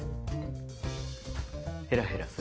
ヘラヘラする。